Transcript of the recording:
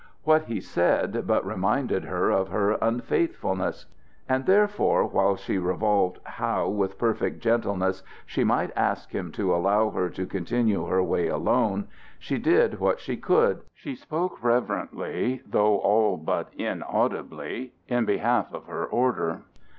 What he said but reminded her of her unfaithfulness. And therefore while she revolved how with perfect gentleness she might ask him to allow her to continue her way alone, she did what she could: she spoke reverently, though all but inaudibly, in behalf of her order.